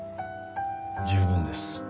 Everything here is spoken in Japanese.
十分です。